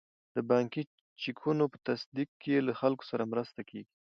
د بانکي چکونو په تصدیق کې له خلکو سره مرسته کیږي.